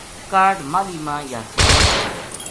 کا ہڈ ماہلی ما یاسین